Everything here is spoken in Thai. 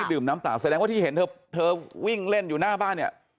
ดื่มน้ำเปล่าแสดงว่าที่เห็นเธอวิ่งเล่นอยู่หน้าบ้านเนี่ย